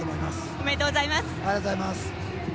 ありがとうございます。